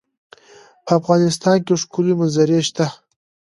په افغانستان کې ښکلي منظرې شته.